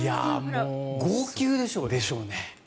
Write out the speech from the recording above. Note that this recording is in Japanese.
号泣でしょう。